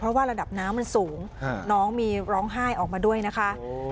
เพราะว่าระดับน้ำมันสูงน้องมีร้องไห้ออกมาด้วยนะคะ